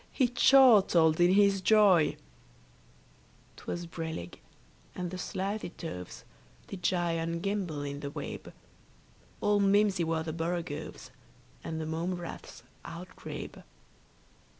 He chortled in his joy. 'Twas brillig, and the slithy toves Did gyre and gimble in the wabe; All mimsy were the borogoves And the mome raths outgrabe.